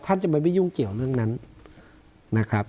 ท่านจะไม่ยุ่งเกี่ยวเรื่องนั้นนะครับ